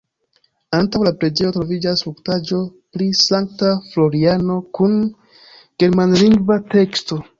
Antaŭ la preĝejo troviĝas skulptaĵo pri Sankta Floriano kun germanlingva teksto.